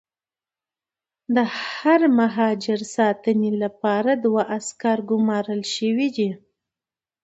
د هر مهاجر ساتنې لپاره دوه عسکر ګومارل شوي دي.